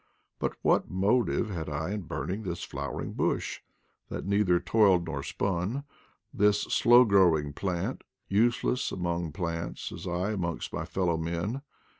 But what motive had I in burning this flowering bush that neither toiled nor spun, this slow growing plant, useless amongst plants as I amongst my fellow men!